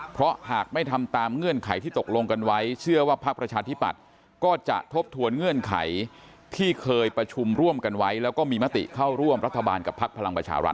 เพราะหากไม่ทำตามเงื่อนไขที่ตกลงกันไว้เชื่อว่าพักประชาธิปัตย์ก็จะทบทวนเงื่อนไขที่เคยประชุมร่วมกันไว้แล้วก็มีมติเข้าร่วมรัฐบาลกับพักพลังประชารัฐ